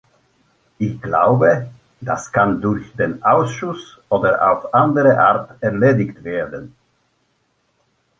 Ich glaube, das kann durch den Ausschuss oder auf andere Art erledigt werden.